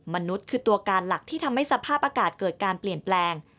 มนุษย์คือตัวการหลักที่ทำให้สภาพอากาศเกิดการเปลี่ยนแปลง